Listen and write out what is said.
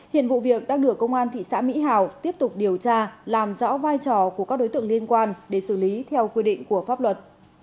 hiện vụ việc đang được công an thị xã mỹ hào tiếp tục điều tra làm rõ vai trò của các đối tượng liên quan để xử lý theo quy định của pháp luật